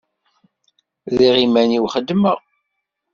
Rriɣ iman-iw xeddmeɣ.